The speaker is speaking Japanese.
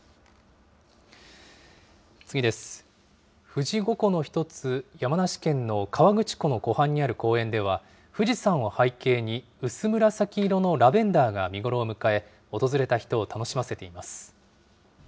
富士五湖の一つ、山梨県の河口湖の湖畔にある公園では、富士山を背景に、薄紫色のラベンダーが見頃を迎え、訪れた人を楽しませています。